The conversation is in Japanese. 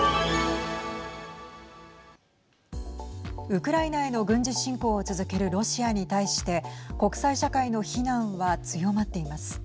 ウクライナへの軍事侵攻を続けるロシアに対して国際社会の非難は強まっています。